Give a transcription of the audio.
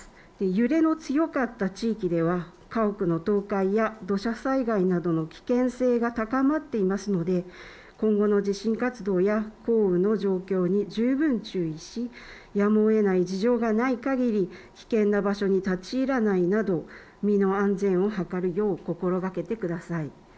揺れの強かった地域では家屋の倒壊や土砂災害などの危険性が高まっていますので今後の地震活動や、豪雨の状況に注意し、やむをえない状況がないかぎり危険な場所に立ち入らないなど身の安全を図るよう心がけてください。